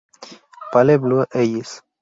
Pale Blue Eyes